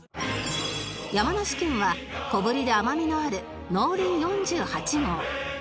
山梨県は小ぶりで甘みのある農林４８号